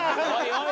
おい！